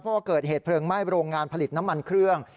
เพราะว่าเกิดเหตุเพลิงไหม้โรงงานผลิตน้ำมันเครื่อง